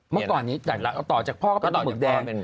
เมื่อก่อนนี้ต่อจากพ่อก็เป็นปลาหมึกแดง